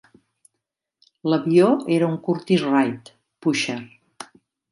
L'avió era un Curtiss-Wright "Pusher".